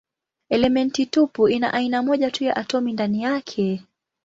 Elementi tupu ina aina moja tu ya atomi ndani yake.